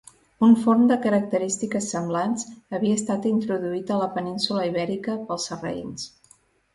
Un forn de característiques semblants havia estat introduït a la península Ibèrica pels sarraïns.